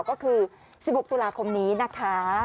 ก็คือ๑๖ตุลาคมนี้นะคะ